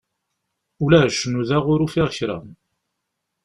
Ulac, nudaɣ ur ufiɣ kra.